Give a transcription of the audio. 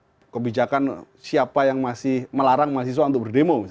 ada kebijakan siapa yang masih melarang mahasiswa untuk berdemo